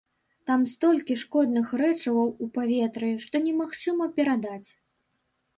Там столькі шкодных рэчываў у паветры, што немагчыма перадаць.